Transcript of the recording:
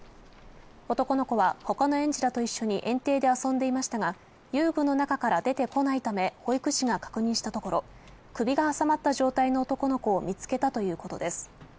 男の子はほかの園児らと一緒に園庭で遊んでいましたが、遊具の中から出てこないため、保育士が確認したところ、首が挟まった状態の男の子を見つけたということです。